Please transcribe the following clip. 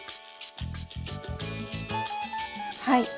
はい。